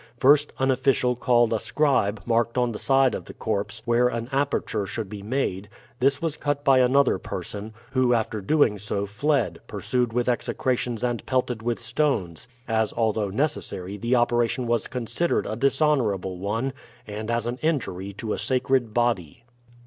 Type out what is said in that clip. First, an official called a scribe marked on the side of the corpse where an aperture should be made; this was cut by another person, who after doing so fled, pursued with execrations and pelted with stones, as although necessary the operation was considered a dishonorable one and as an injury to a sacred body.